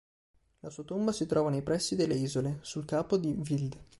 La sua tomba si trova nei pressi delle isole, sul capo di Vil'd.